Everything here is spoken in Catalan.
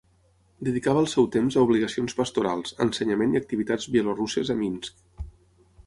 Dedicava el seu temps a obligacions pastorals, ensenyament i activitats bielorusses a Minsk.